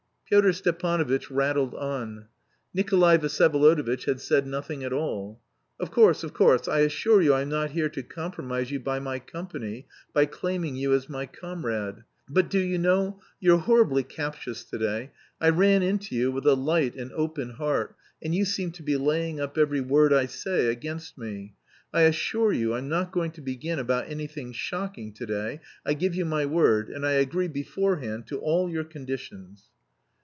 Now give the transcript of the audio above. '" Pyotr Stepanovitch rattled on. (Nikolay Vsyevolodovitch had said nothing at all.) "Of course, of course. I assure you I'm not here to compromise you by my company, by claiming you as my comrade. But do you know you're horribly captious to day; I ran in to you with a light and open heart, and you seem to be laying up every word I say against me. I assure you I'm not going to begin about anything shocking to day, I give you my word, and I agree beforehand to all your conditions."